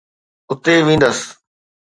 اتي وينديس.